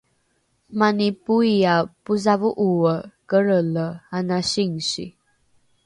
mani poiae posavo’oe kelrele ana singsi